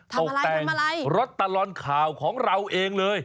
ตกแต่งรถตลอดข่าวของเราเองเลย